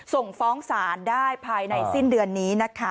ส่งฟ้องศาลได้ภายในสิ้นเดือนนี้นะคะ